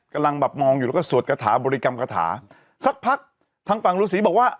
กำลังแบบมองอยู่แล้วก็สวดกระถาบริกรรมคาถาสักพักทางฝั่งฤษีบอกว่า